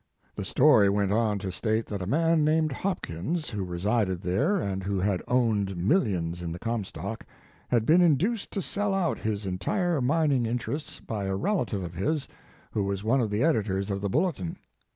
The story went on to state that a man named Hopkins, who resided there, and who had owned mil lions in the Comstock, had been induced to sell out his entire mining interests by a relative of his, who was one of the editors of the Bulletin.